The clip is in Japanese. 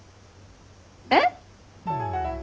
えっ！？